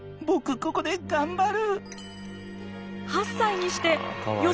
ここで頑張る。